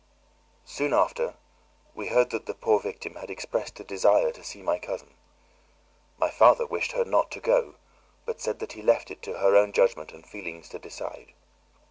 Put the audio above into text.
Soon after we heard that the poor victim had expressed a desire to see my cousin. My father wished her not to go but said that he left it to her own judgment and feelings to decide.